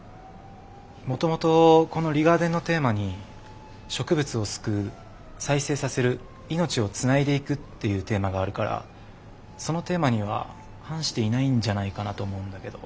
もともとこのリガーデンのテーマに植物を救う再生させる命をつないでいくっていうテーマがあるからそのテーマには反していないんじゃないかなと思うんだけど。